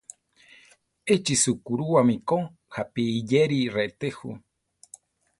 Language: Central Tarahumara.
Échi sukúruwami ko japi iyéri reté jú.